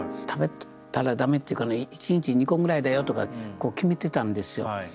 食べたらダメっていうかね一日２個ぐらいだよとか決めてたんですよ。